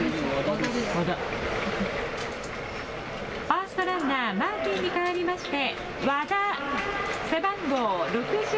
ファーストランナー、マーティンに代わりまして和田、背番号６３。